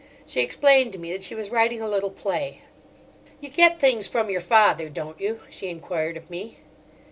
She explained to me that she was writing a little play. "You get things from your father, don't you?" she enquired of me.